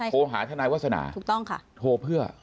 โทรมาหาทนายวัฒนาโทรเพื่อ